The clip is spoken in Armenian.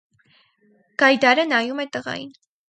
Գայդարը նայում է տղային։